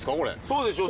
そうでしょう？